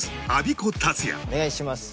「お願いします」